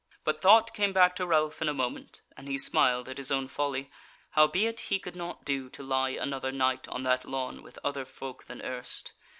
But thought came back to Ralph in a moment, and he smiled at his own folly, howbeit he could not do to lie another night on that lawn with other folk than erst.